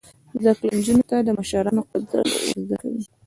زده کړه نجونو ته د مشرانو قدر ور زده کوي.